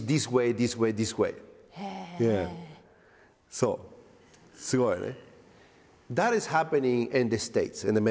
そうすごいね。